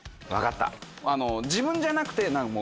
分かった自分じゃなくて。